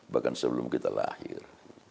bahkan sebelum kita lahir